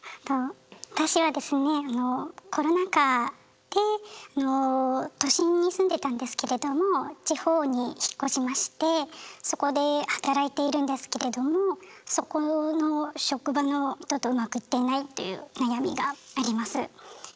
私はですねコロナ禍であの都心に住んでたんですけれども地方に引っ越しましてそこで働いているんですけれどもっていう悩みがあります。